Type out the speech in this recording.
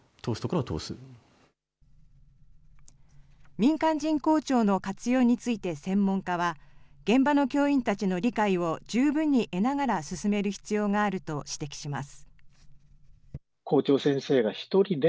民間人校長の活用について専門家は、現場の教員たちの理解を十分に得ながら進める必要があると指摘します。